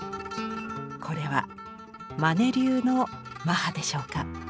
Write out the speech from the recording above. これはマネ流の「マハ」でしょうか。